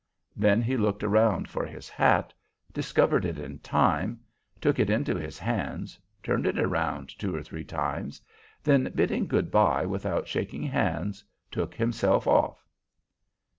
Then he looked around for his hat, discovered it in time, took it into his hands, turned it around two or three times, then, bidding good bye without shaking hands, took himself off.